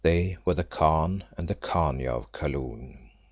They were the Khan and the Khania of Kaloon.